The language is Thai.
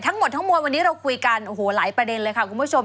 ทั้งหมดทั้งมวลวันนี้เราคุยกันโอ้โหหลายประเด็นเลยค่ะคุณผู้ชม